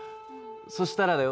そしたらだよ